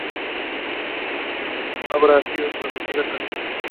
Esta obra ha sido traducida al castellano.